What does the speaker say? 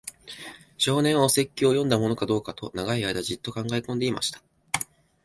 少年は、お説教を読んだものかどうかと、長い間じっと考えこんでいました。